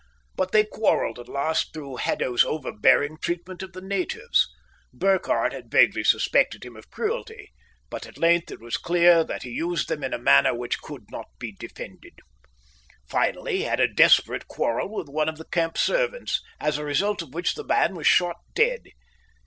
But they quarrelled at last through Haddo's over bearing treatment of the natives. Burkhardt had vaguely suspected him of cruelty, but at length it was clear that he used them in a manner which could not be defended. Finally he had a desperate quarrel with one of the camp servants, as a result of which the man was shot dead.